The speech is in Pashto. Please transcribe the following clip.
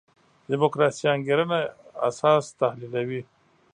دیموکراسي انګېرنه اساس تحلیلوي.